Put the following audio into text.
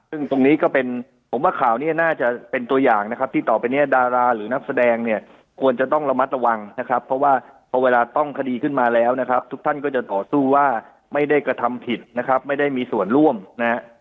ซึ่งตรงนี้ก็เป็นผมว่าข่าวนี้น่าจะเป็นตัวอย่างนะครับที่ต่อไปเนี่ยดาราหรือนักแสดงเนี่ยควรจะต้องระมัดระวังนะครับเพราะว่าพอเวลาต้องคดีขึ้นมาแล้วนะครับทุกท่านก็จะต่อสู้ว่าไม่ได้กระทำผิดนะครับไม่ได้มีส่วนร่วมนะฮะ